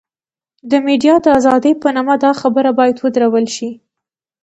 د ميډيا د ازادۍ په نامه دا خبرونه بايد ودرول شي.